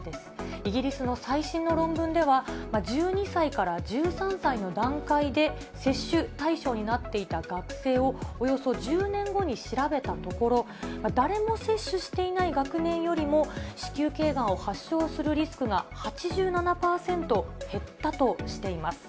イギリスの最新の論文では、１２歳から１３歳の段階で、接種対象になっていた学生をおよそ１０年後に調べたところ、誰も接種していない学年よりも、子宮けいがんを発症するリスクが８７％減ったとしています。